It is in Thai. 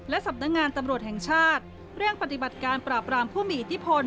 สำนักงานตำรวจแห่งชาติเร่งปฏิบัติการปราบรามผู้มีอิทธิพล